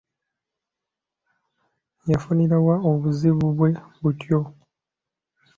Yafunira wa obuzibu bwe butyo?